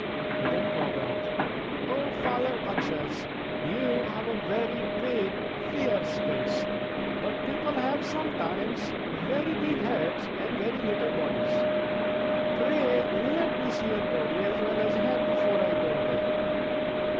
He then called out: "O father Bakshas, you have a very big, fierce face; but people have sometimes very big heads and very little bodies. Pray let me see your body as well as head before I go away."